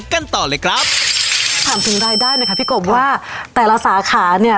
ยังเหมือนเดิมนะครับ